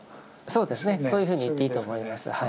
そういうふうに言っていいと思います。